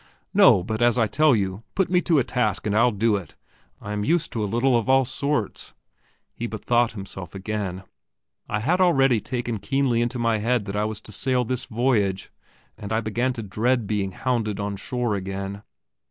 "No; but as I tell you, put me to a task, and I'll do it. I am used to a little of all sorts." He bethought himself again. I had already taken keenly into my head that I was to sail this voyage, and I began to dread being hounded on shore again.